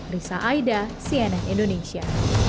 risa aida cnn indonesia